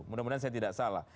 mudah mudahan saya tidak salah